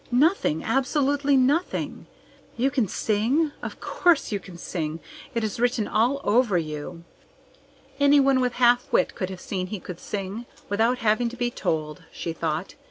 Nothing! Absolutely nothing! You can sing? Of course you can sing! It is written all over you." "Anyone with half wit could have seen he could sing, without having to be told," she thought.